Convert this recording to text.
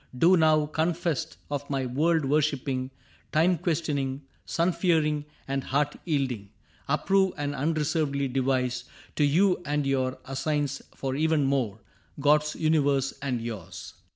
Do now, confessed of my world worshiping. Time questioning, sun fearing, and heart yielding, Approve and unreservedly devise To you and your assigns for evermore, God's universe and yours.